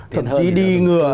thậm chí đi ngừa